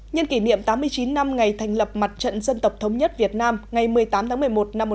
nhân kỷ niệm tám mươi chín năm ngày thành lập mặt trận dân tộc thống nhất việt nam ngày một mươi tám tháng một mươi một năm một nghìn chín trăm bốn